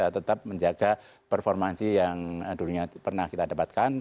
tetap menjaga performansi yang dulunya pernah kita dapatkan